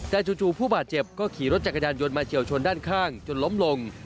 แต่จู่ผู้บาดเจ็บก็ขี่รถจักรยานยนต์มาเฉียวชนด้านข้างจนล้มลง